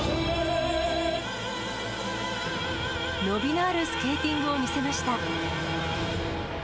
伸びのあるスケーティングを見せました。